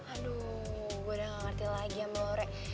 aduh gue udah gak ngerti lagi ya melore